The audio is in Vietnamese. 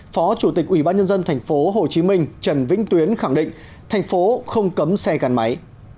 phó chủ tịch ủy ban nhân dân tp hcm trần vĩnh tuyến khẳng định thành phố không cấm xe gắn máy